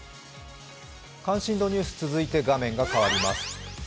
「関心度ニュース」、続いて画面が変わります。